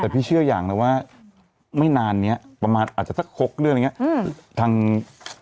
แต่พี่เชื่ออย่างแล้วว่าไม่นานนี้ประมาณอาจจะสัก๖เดือนอย่างนี้